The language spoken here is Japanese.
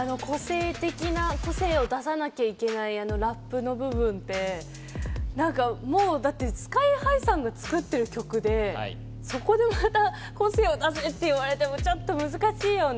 個性を出さなきゃいけないラップの部分って、もうだって、ＳＫＹ−ＨＩさんが作ってる曲でそこでまた個性を出せって言われてもちょっと難しいような。